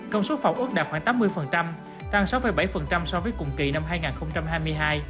công suất phòng ước đạt khoảng tám mươi tăng sáu bảy so với cùng kỳ năm hai nghìn hai mươi hai